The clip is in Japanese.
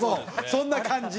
そんな感じ。